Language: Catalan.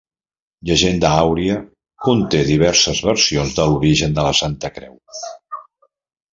"Llegenda àuria" conté diverses versions de l'origen de la Santa Creu.